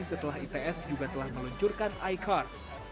setelah ips juga telah meluncurkan icar